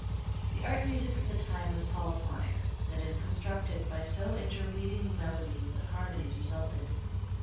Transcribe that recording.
The art music of the time was polyphonic, that is, constructed by so interweaving melodies that harmonies resulted.